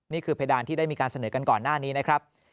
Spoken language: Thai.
เพดานที่ได้มีการเสนอกันก่อนหน้านี้นะครับ